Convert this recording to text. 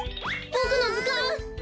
ボクのずかん！